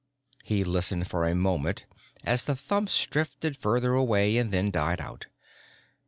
He listened for a moment as the thumps drifted further away and then died out.